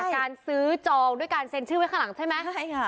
การซื้อจองด้วยการเซ็นชื่อไว้ข้างหลังใช่ไหมใช่ค่ะ